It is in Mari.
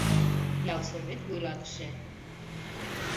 Ялсовет вуйлатыше.